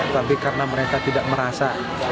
tapi karena mereka tidak merasa